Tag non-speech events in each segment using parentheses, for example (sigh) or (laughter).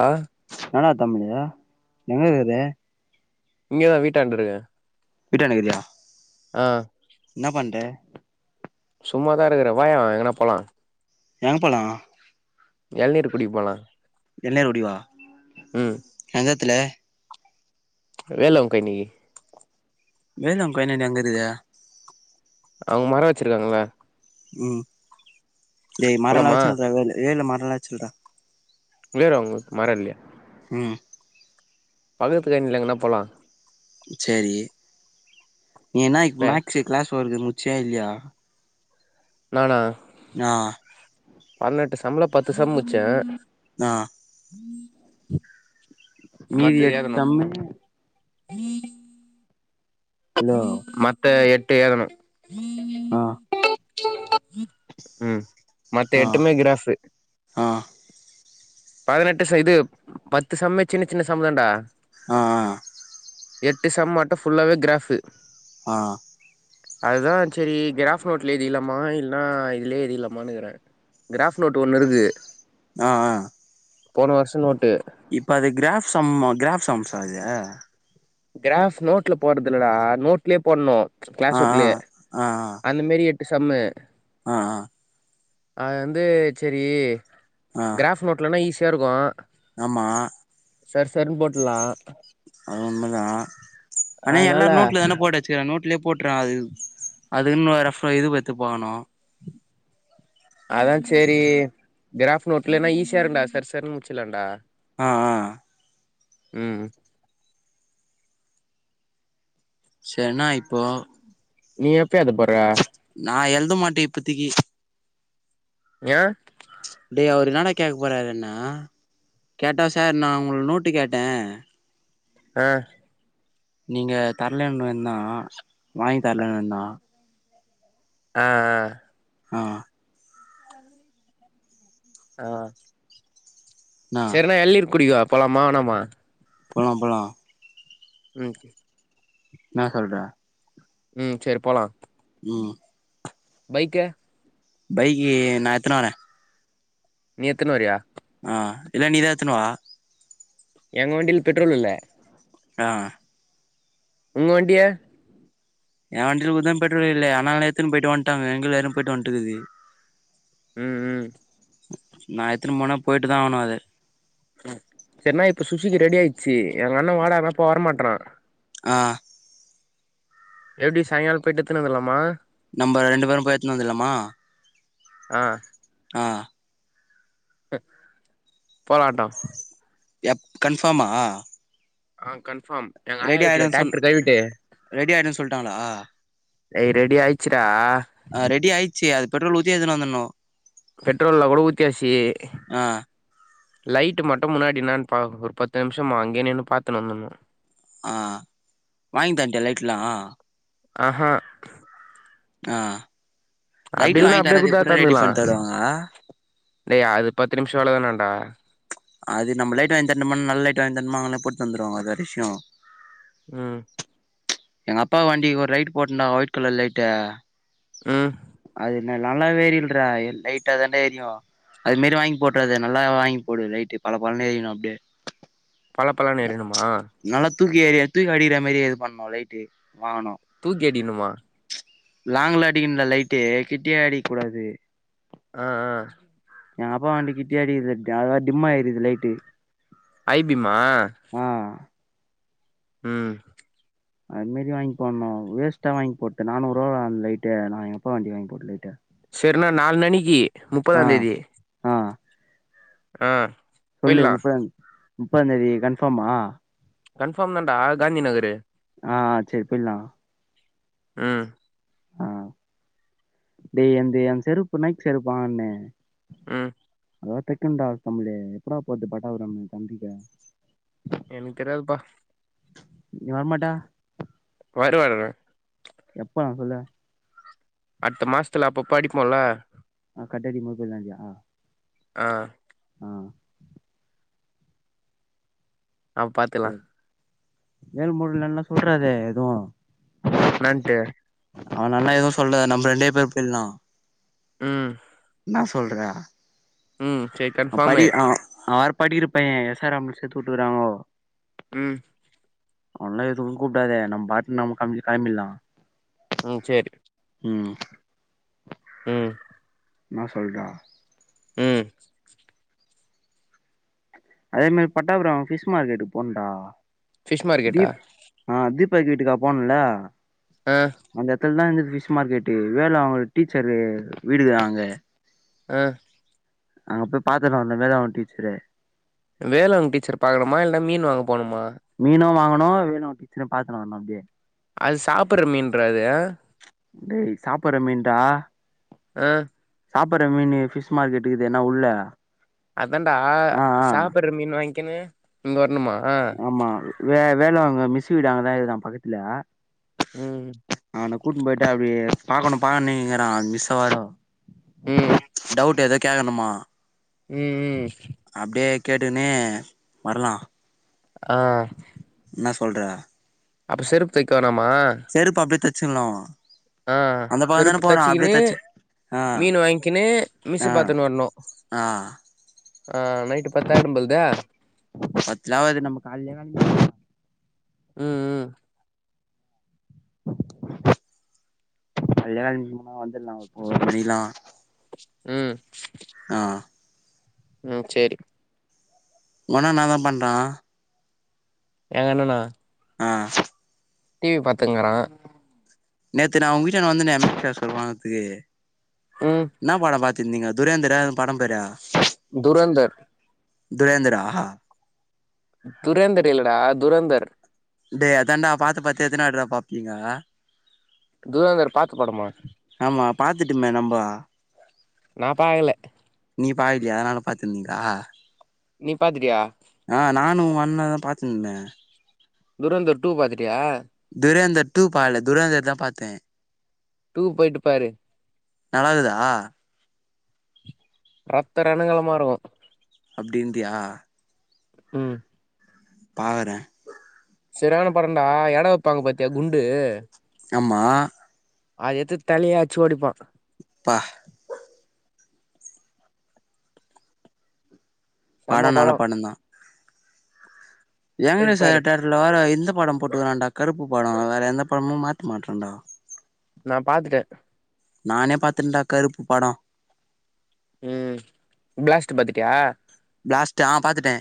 ஆ நானா தமிழு எங்கருக்குது இங்கெதா வீட்டாண்ட்ருக்க வீட்டாண்டருக்குரியா ஆ இன்னா பண்ற சும்மாதா இருக்குற வாயா எங்கனா போலா எங் போலா எள்நீரு குடிக்க போலா என்ன இப்டி வா ம் எந்தெட்த்துல வேளாங்கண்ணி வேளாங்கண்ணினா எங்கருக்கு அவ்ங்க மர வச்சிருக்காங்கள ம் ஏய் மரலா போலாமா வச்சிருந்தாங்கள ஏழு மரலா வச்சுருக்குடா இங்கேரு அவ்ங்களுக்கு மர இல்லயா ம் பக்கத்துலருந்து எங்கன்னா போலா சேரி நீ இன்னா இப் ஏ மேக்ஸு கிளாஸ் வொர்க்கு முட்ச்சியா இல்லையா நானா ஆ பதினெட்டு சம்ல பத்து சம் முட்ச்சே ஆ மீதி மத்தது எட் எழுதணு சம்மு ஹலோ மத்த எட்டு எழ்தனு ஆ ம் மத்த ஆ எட்டுமே கிராஃபு ஆ பதுனெட்டு ச இது பத்து சம்மே சின்ன சின்ன சம்மு தான்டா ஆ ஆ எட்டு சம் மட்டு ஃபுல்லாவே கிராஃபு ஆ அதுதான் செரி கிராஃப் நோட்ல எழ்திகிலாமா இல் லனா இதுலே எதில்லாமானுக்கிறே கிராஃப் நோட் ஒன்னு இருக்கு ஆ ஆ போன வர்ஷ நோட்டு இப்ப அது கிராஃப் சம்மா கிராஃப் சம்ஸா அது கிராஃப்ஸ் நோட்ல போட்றதில்லடா நோட்லே போட்ணு கிளாஸ் ஆ ஒர்க்லே ஆ அந்த மாரி எட்டு சம்மு ஆ ஆ அது வந்து செரி ஆ கிராஃப் நோட்லனா ஈஸியா இருக்கு ஆமா சர் சர்ன்னு போட்டுல்லா அது உண்மதா ஆனா அதனால எல்லாரு நோட்ல தானே போட்டு வச்சுக்குறாங்க நோட்லேப் போட்றே அது அதுக்குன்னு ஒரு ரஃப்ல இது வர்த்து பாக்கணு அதா சேரி கிராஃப் நோட்லனா ஈஸியா இருக்குடா சர் சர்ன்னு முட்ச்சிற்லாடா ஆ ஆ ம் செரினா இப்போ நீ எப்ப அதப் போட்ற நா எழுத மாட்டே இப்பத்திக்கி ஏ டே அவருன்னாடா கேட்க போறாரு என்ன கேட்டா சார் நான் உங்கள நோட்டு கேட்டே ஆ நீங்க தரலன் வேண்ணா வாங்கி தரலன்னு வேண்ணா அ அ ஆ அ என்னா சரினா எளநீர் குடிக்கவா போலாமா வேனாமா ஆ போலா ம்‌ கே ன்னா சொல்ற ம் சரி போலா ம் பைக்கு பைக்கி நா எத்துனு வரே நீ எத்துன்னு வரியா ஆ இல்ல நீதாத்தனுவா எங்க வண்டியில பெட்ரோல் இல்ல ஆ உங்க வண்டிய என் வண்டில கூடத பெட்ரோல் இல்ல ஆனால எத்துன்னு போயிட்டு வன்ட்டாங்க எங்கத்ல யாரோ போயிட்டு வன்ட்டுக்குது ம் ம் நா எத்தின்னு போன போயிட்டு தாகனு அது ஏனா இப்ப சுசிக்கு ரெடி ஆயிட்ச்சு எங்க அண்ண வாடானா ப்போ வரமாட்றா ஆ எப்டி சாய்ங்கால போயிட்டு எத்துன்னு வந்தட்லாமா நம்ப ரெண்டு பேரு போயி எத்துன்னு வந்துட்லாமா ஆ ஆ போராட்டோ எப் கன்ஃபார்மா ஆ கன்ஃபார்ம் எங்க ஆயா ரெடி வீட்ல ஆயிடுன்னு சொன் ட்ராக்டர் கழுவிட்டு ரெடி ஆயிடுன்னு சொல்லிட்டாங்களா ஏய் ரெடி ஆயிச்சுட்ரா ஆ ரெடி ஆயிடுச்சு அது பெட்ரோல் ஊத்தி எத்துனு வந்துணு பெட்ரோல்ல கூட ஊத்தியாசி ஆ லைட் மட்டும் முன்னாடி நான் பா ஒரு பத்து நிமிஷம் அங்கயேன்னின்னு பாத்துனு வந்தனு ஆ வாங்கிதன்ட்டியா லைட்லா ஆஹ ஆ லைட் அப்டில்லன்னா வாங்கி அப்டியே தராது குடுத்தா எப்புட்றா ரெடி எத்தாந்துக்கலா பண்ணி தருவாங்க டேய் அது பத் (unintelligible) தானண்டா அது நம்ம லைட் வாங்கி தனும நல்ல லைட் வாங்கி தரணமா அஸங்களே போட்டு தந்துருவாங்க அது ஒரு விஷய ம் எங்க அப்பா வண்டி ஒரு ரைட் போட்டந்தா ஒயிட் கலர் லைட்டு ம் அது நல்லா வேரியல்ற லைட்டா தாண்டே எரியு அது மாரி வாங்கி போட்றாத நல்லா வாங்கி போடு லைட்டு பல பலனு எரியணு அப்டியே பழ பழன்னு எரியணுமா நல்லா தூக்கி ஏறி தூக்க அடிக்கிற மாரி எது பண்ணணு லைட்டு வாங்கணு தூக்கி எறிணுமா லாங்ல அடிக்கும்ல லைட்டு கிட்டியே அடிக்க கூடாது ஆ ஆ அப்பு வண்டி கிட்டயே அடிக்குது அதாவது டிம்மா எரியுது லைட்டு ஐபீமா ஆ ம் அதுமாரி வாங்கி போட்ணு வேஸ்ட்டா வாங்கி போட்டே நானூறு ரூவா லைட்டு நா எங்க அப்பா வண்டி வாங்கி போட்ட லைட்டு செருண்ணா நால்னணிக்கி ஆ முப்பதாந்தேதி ஆ ஆ சொல்லு போய்ட்லா முப்பதா முப்பதாந்தேதி கன்ஃபாமா கன்ஃபாம் தான்டா காந்தி நகரு ஆ ஆ செரி போய்லா ம் ஆ டேய் என்து ஏ செருப்பு நைக் செருப்பான்னே ம் அதாவது தைக்குண்டா தமிழு எப்புற்றா போது பட்டாவரம் தம்பிக்க எனக்கு தெரியாதுப்பா நீ வரமாட்ட வருவாறனே எப்ப நா சொல்ல அடுத்த மாசத்துல அப்ப அப்ப படிப்போம்ல ஆ கட்டடிக்கும் போது போய்லா இல்லயா ஆ ஆ ஆ பாத்துல்லா மேல் முருலல்லா சொல்றாதே எதுவு நன்ட்டு அவனான்ட எதுவு சொல்லாத நம்ம ரெண்டே பேர் போய்லா ம் நா சொல்ற ம் சரி அவ படி கன்ஃபார்மு ஆ அவர் படிக்கிற பையே எஸ் ஆர் ரம்ல சேத்து விட்டுருக்குறாங்கோ ம் ஒன்ன எதுவு கூப்டாத நம்ம பாட்னு நம்ம காம்லி கெளம்பில்லா ம் சேரி ம் ம் ம் என்னா சொல்டா ம் அதே மாரி பட்டாபுரம் பிஷ் மார்க்கெட் போனன்டா ஃபிஷ் மார்க்கெட்டா தீப் ஆ தீப் ப் பாக்கெட்டுக்கா போனல்ல ஆ அந்த எடத்துல தா இருந்தது பிஷ் மார்க்கெட்டு் வேல வாங்குற அவுங்க டீச்சரு வீடுதா அங்க ஆ அங்க போய் பாத்துட்டு வந்தே வேல வாங்குற டீச்சரு வேல வாங்ற டீச்சர பாக்கலாமா இல்ல மீன் வாங்கப் மீனு வாங்கணு வேல வாங்குற டீச்சரையு பாத்துணு வரணு அப்டியே அது சாப்புட்ற மீன்ரா அது டேய் சாப்புட்ற மீன் டா ஆ சாப்புட்ற மீனு பிஷ் மார்கெட்டு இருக்குதேன உள்ள அதான்டா ஆ ஆ சாப்புட்ற மீன் வாங்கிக்கினு இங்க வரணுமா ஆமா வே வேலவாங்குற மிஸ் வீடு அங்கதா இருக்குதா பக்கத்துல ம் அவ்ன கூட்ன்ட்டு போயிட்டா அப்டி பாக்கணு பாக்கனு ங்கிற மிஸ்ஸவேரோ ம் டவுட்டு ஏதோ கேக்கணுமா ம் ம் அப்டியே கேட்டுகின்னே வரலா ஆ என்ன சொல்ற அப் செருப் தைக்க வோணாம சில்லா ஆ ஆ செருப்பு தச்சிக்கின்னு தச்சு ஆ மீன் வாங்கிக்கின்னு ஆ மிஸ்ஸு பாத்துன்னு வரணு ஆ ஆ நைட்டு் பத்தாயிடும்பல்தே பத்ல ஆவாது நம்ம கால்லே கழ (inaudible) ம் ம் (unintelligible) வந்துடலா (unintelligible) மணிலா ம் ஆ ம் செரி உங்கண்ண என்னாதா பண்றா எங்க அண்ணனா ஆ டிவி பாத்துங்கிறா நேத்து நான் உங்க வீட்டான்ட வந்தனே (unintelligible) வாங்க்ரதுகு ம் என்னா பட பாத் பாத்திந்திங்க துரேந்திரா அந்த படம் பேரு துரேந்தர் துரேந்திர்ரா துரேந்தர் இல்லடா துரந்தர் டே அதாண்டா பாத்து பாத்து எத்தினி வார்ட்டிடா பாப்பீங்க துரேந்தர் பாத்த படமா ஆமா பாத்துட்டுமே நம்ப நா பாகல்ல நீ பாகலையா அதனால பாத்திந்தீங்களா நீ பாத்திடியா நான்தா பாத்துந்தே துரேந்தர் டூ பாத்துட்டியா துரேந்தர் டூ பாக்கல துரேந்தர் தா பாத்தே டூ போய்ட்டு பாரு நல்லாக்தா இரத்த இரனங்களமா இருக்கு அப்டின்றியா ம் பாகறே செரியான பட டா எட வெப்பாங்க பாத்தியா குண்டு ஆம்மா அத எத்து தலையே அச்சு ஒடிப்பா ப்பா பட செம்ம நல்ல படோ படந்தா போயிட்டு ஏங்கனேச பாரு தேட்ருல வேர இந்தப் இந்த படம் போட்டுக்கிறான்டா கருப்பு பட வேற எந்த படமு மாத்த மாட்றான்டா நா பாத்துட்டே நானே பாத்துட்டன்டா கருப்பு படம் உம் பிளாஸ்ட்டு பாத்துட்டியா பிளாஸ்ட் ஹ பாத்துட்டே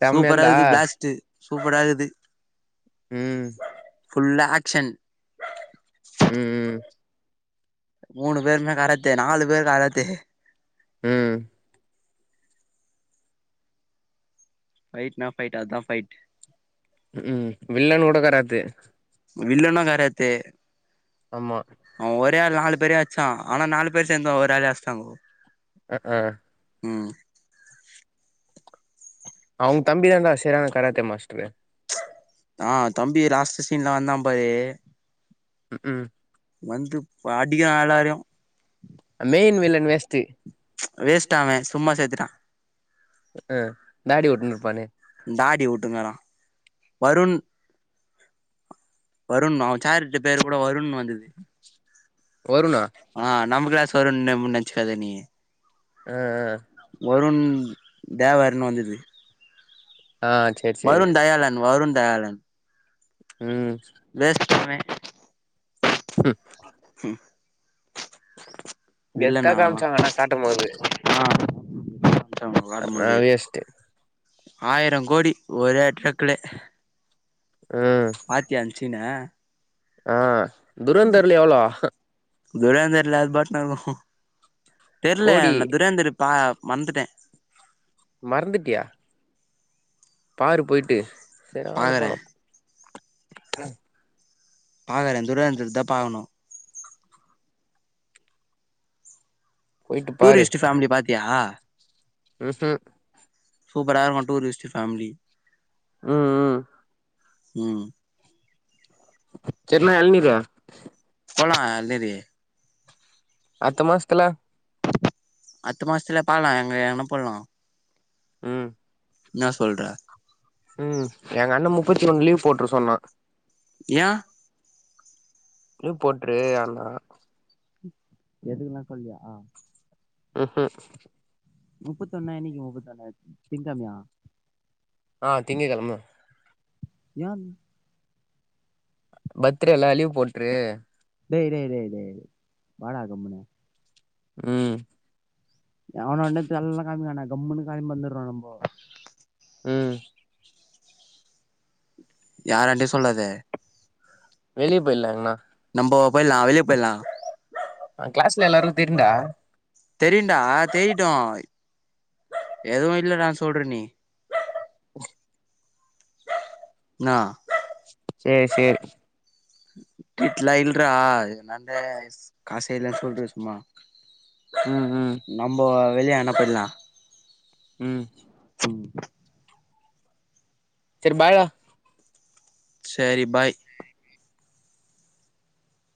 செம்மையா சூப்பரா இருந்தா இருக்குது பிளாஸ்ட்டு சூப்பரா இக்குது ம் க்ஷன் ம் ம் மூணு பேருமே கராத்தே நாலு பேர் கராத்தே ம் பைட் நா பைட் அதா பைட் ம் வில்லகூட கராத்தே வில்லனு கராத்தே ஆம்மா செம்மையா நாலு பேர அச்சா ஆனா நாலு பேர் சேர்ந்து ஒரு ஆள அச்சுட்டாங்க ஆ ம் அவங்க தம்பிதாண்டா சேரியான கராத்த மாஸ்டரு ஆ தம்பி லாஸ்ட் சீன்ல வந்தா பாரு ம் ம் வந்து அடிகரா எளாரயு மெயின் வில்லன் வேஸ்ட்டு வேஸ்ட் ஆ அவ சும்மா சேத்துட்டா ஆ தாடி வுட்டுனுருப்பானே தாடி வுட்டுங்காரா வருண் வருண் அவ சாரிட்ட பேரு கூட வருண்னு வந்துது வருணா ஆ நம்ம கிளாஸ் வருண் நெனச்சுக்காத நீ ம் ம் வருண் தேவர்னு வந்துது ஆ ஆ சேரி சேரி வருண் தயாலன் வருண் தயாலன் ம் வேஸ்ட் (inaudible) ம் வில்லனா கெத்தா காமிச்சாங்க ஆனா அவனெல்லா காட்டும்போது ஆ வேஷ்டு ஆயிரம் கோடி ஒரே டிரக்குல ம் சீனா ஆ துரந்தர்ல எவ்ளோ துரேந்திரல அது பாட்டின இருக்கு கோடி தெரியல துரேந்திரி பா வந்துட்டே மறந்துடியா பாரு போயிட்டு சரியான பாக்குறே படம் பாக்கற துரந்தர்தா பாக்கணும் போயிட்டு டூரிஸ்ட் பேமிலி பாத்தியா உம் ம் சுப்பரா இருக்கு டூரிஸ்ட் பேமிலி ம் ம் ம் செரினா எழநீர் போலா லிரி அட்த்த மாசத்ல அட்த்த மாசத்ல பாக்லா எங்கனா போலா ம் இன்னா சொல்ற ம் எங்க அண்ண முப்பத்தி ஒன் லீவ் போட்ர சொன்னா ஏ லீவ் போட்ரு ஆனா எதுக்கெல்லா சொல்லியா ம் ஹூ முப்பத் ஒன்னா அன்னைக்கி முப்பத்த ஒன்னா திங்கெழமியா ஆ திங்ககெழம யான் பர்த்டே இல்ல லீவ் போட்ரு டேய் டேய் டேய் டேய் வாடா கமுன்னு ம் எவனான்ட இப்பெல்லா காமிக்க வேணா கம்முனு கெளம்பி வந்துரோ நம்போ ம் யாரண்ட சொல்லாத வெளிய போய்லா எங்கனா நம்போ போய்லா வெளிய போய்லா ஆ கிளாஸ்ல எல்லாரு தெருண்டா தெரியுன்டா தெரியிட்டு எதுவு இல்ல நா சொல்ற நீ (inaudible) இன்னா சேரி சேரி இட்லா இல்றா என்னான்ட காசே இல்லன் சொல்றா சும்மா ம் ம் நம்போ வெளிய எங்கனா போய்ட்லா ம் செரி பாய் டா செரி பாய்